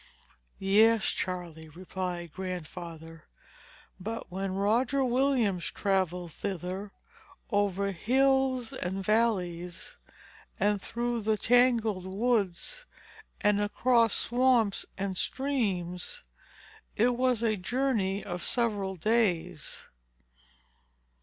"Yes, Charley," replied Grandfather; "but when Roger Williams travelled thither, over hills and valleys, and through the tangled woods, and across swamps and streams, it was a journey of several days.